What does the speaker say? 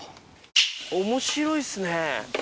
面白いっすね。